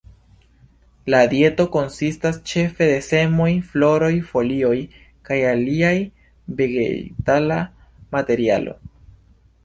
La dieto konsistas ĉefe de semoj, floroj, folioj kaj alia vegetala materialo.